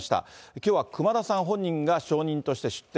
きょうは熊田さん本人が証人として出廷。